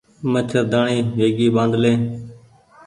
مڇهرداڻي ويگي ٻآڌلي